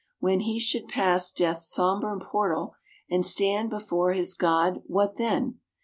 "When he should pass Death's sombre portal And stand before his God, what then?